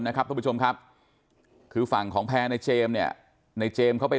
นะครับทุกผู้ชมครับคือฝั่งของแพร่ในเจมส์เนี่ยในเจมส์เขาไป